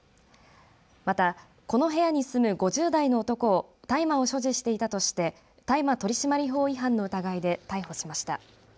また、この部屋に住む５０代の男を大麻を所持していたとして大麻取締法違反の疑いで逮捕しました。